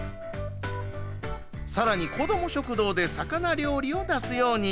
さらに、子ども食堂で魚料理を出すように。